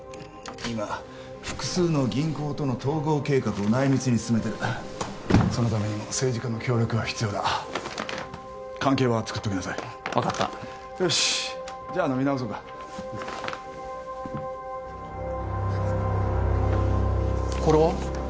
今複数の銀行との統合計画を内密に進めてるそのためにも政治家の協力が必要だ関係は作っておきなさい分かったよしじゃあ飲み直そうかこれは？